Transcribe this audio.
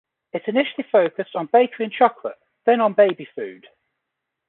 It initially focussed on bakery and chocolate, then on baby food.